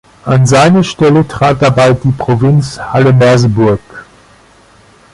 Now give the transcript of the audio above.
An seine Stelle trat dabei die Provinz Halle-Merseburg.